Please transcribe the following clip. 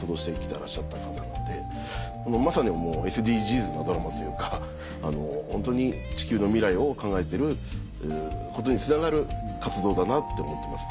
てらっしゃった方なのでまさにＳＤＧｓなドラマというかホントに地球の未来を考えてることにつながる活動だなって思ってます